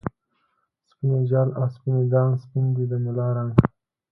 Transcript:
سپین یی جال او سپین یی دام ، سپین دی د ملا رنګ